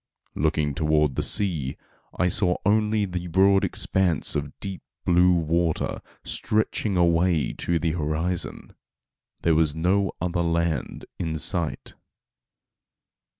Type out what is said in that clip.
Looking toward the sea, I saw only the broad expanse of deep blue water stretching away to the horizon. There was no other land in sight.